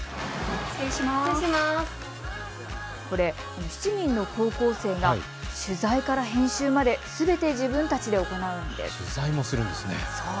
これ、７人の高校生が取材から編集まですべて自分たちで行うんです。